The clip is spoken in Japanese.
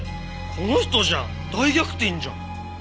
この人じゃん！大逆転じゃん！